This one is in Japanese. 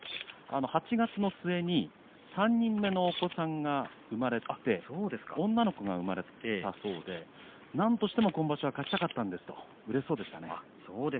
８月の末に３人目のお子さんが生まれて女の子が生まれていたそうでなんとしても今場所勝ちたかったんですとうれしそうでした。